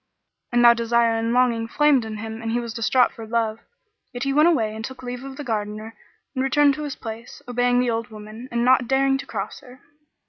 And though desire and longing flamed in him and he was distraught for love, yet he went away and took leave of the Gardener and returned to his place, obeying the old woman and not daring to cross her.